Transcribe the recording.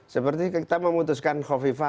seperti kita memutuskan khufifah